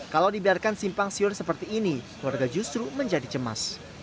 kalau dibiarkan simpang siur seperti ini warga justru menjadi cemas